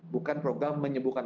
bukan program menyebubkan